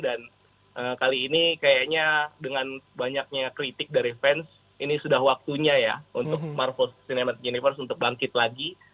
dan kali ini kayaknya dengan banyaknya kritik dari fans ini sudah waktunya ya untuk marvel cinematic universe untuk bangkit lagi